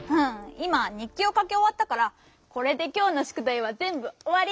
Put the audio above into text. いまにっきをかきおわったからこれできょうのしゅくだいはぜんぶおわり！